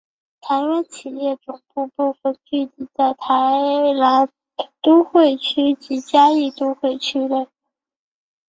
台湾企业总部部份聚集在台南都会区及嘉义都会区内。